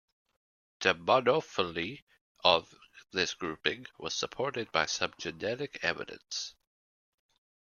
The monophyly of this grouping was supported by some genetic evidence.